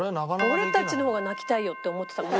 俺たちの方が泣きたいよって思ってたかもね。